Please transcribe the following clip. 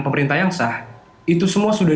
pemerintah yang sah itu semua sudah